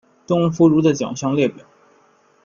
邓福如的奖项列表